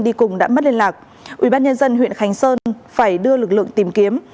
đi cùng đã mất liên lạc ubnd huyện khánh sơn phải đưa lực lượng tìm kiếm